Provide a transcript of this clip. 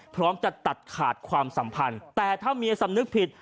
พร้อมจะตัดขาดความสัมพันธ์แต่ถ้าเมียสำนึกผิด